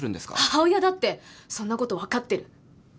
母親だってそんなこと分かってる。